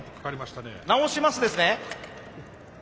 「直します」ですね。